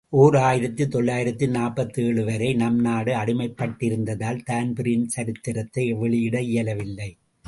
ஓர் ஆயிரத்து தொள்ளாயிரத்து நாற்பத்தேழு வரை நம்நாடு அடிமைப்பட்டிருந்ததால் தான்பிரீன் சரித்திரத்தை வெளியிட இயலவில்லை.